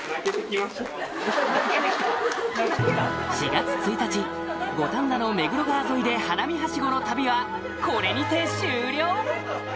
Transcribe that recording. ４月１日五反田の目黒川沿いで花見ハシゴの旅はこれにて終了！